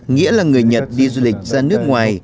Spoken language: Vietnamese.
nghĩa là người nhật đi du lịch ra nước ngoài